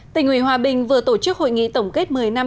tỉnh ủy hòa bình vừa tổ chức hội nghị tổng kết một mươi năm